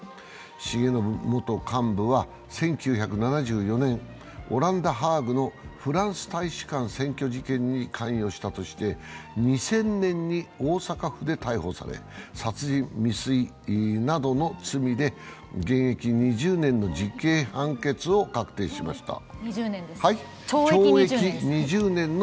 重信元幹部は１９７４年、オランダ・ハーグのフランス大使館占拠事件に関与したとして、２０００年に大阪府で逮捕され、殺人未遂などの罪で懲役２０年の実刑判決が確定していました。